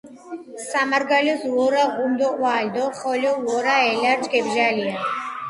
სამარგალოს უორა ღუმ დო ყვალ დო ხოლო უორა ელარჯ გებჟალია.